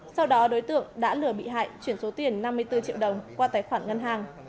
sau đó đối tượng đã lừa bị hại chuyển số tiền năm mươi bốn triệu đồng qua tài khoản ngân hàng